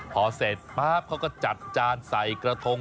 พอเสร็จป๊าบเขาก็จัดจานใส่กระทง